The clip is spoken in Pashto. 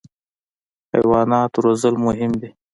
حیوانات روزل مهم دي.